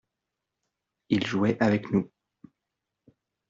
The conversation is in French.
Il jouait avec nous.